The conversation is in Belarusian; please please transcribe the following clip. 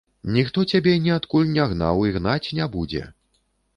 Ніхто цябе ніадкуль не гнаў і гнаць не будзе.